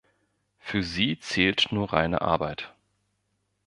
Für sie zählt nur reine Arbeit.